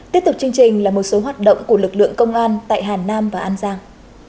tiếp tục chương trình là một số hoạt động của lực lượng công an tại hà nam và an giang